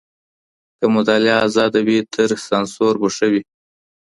که مطالعه ازاده وي تر سانسور به ښه وي.